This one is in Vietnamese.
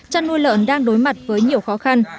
chăn nuôi lợn đang đối mặt với nhiều khó khăn